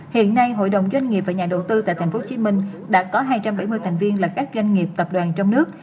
hiện nay hội đồng doanh nghiệp và nhà đầu tư tại tp hcm đã có hai trăm bảy mươi thành viên là các doanh nghiệp tập đoàn trong nước